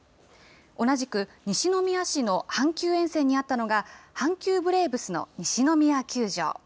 同じく西宮市の阪急沿線にあったのが、阪急ブレーブスの西宮球場。